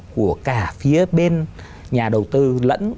của cả phía bên nhà đầu tư lẫn